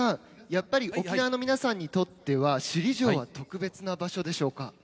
やっぱり沖縄の皆さんにとっては首里城は特別な場所でしょうか？